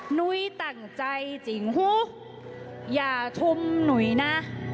เหนื่อยต่างใจจริงผู้อย่าทุ่มหน่วยนะ